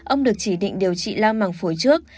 ông được chỉ định điều trị la màng phổi trước